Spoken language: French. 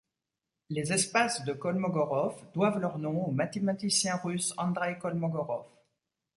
Les espaces de Kolmogorov doivent leur nom au mathématicien russe Andreï Kolmogorov.